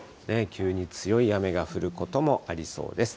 急に強い雨が降ることもありそうです。